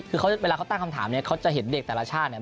คือเวลาเขาตั้งคำถามเนี่ยเขาจะเห็นเด็กแต่ละชาติเนี่ย